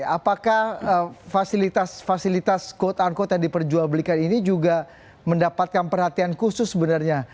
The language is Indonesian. apakah fasilitas kot an kot yang diperjualbelikan ini juga mendapatkan perhatian khusus sebenarnya